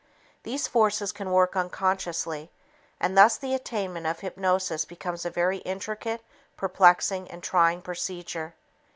These forces can work unconsciously, and thus the attainment of hypnosis becomes a very intricate, perplexing and trying procedure.